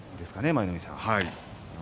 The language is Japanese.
舞の海さん。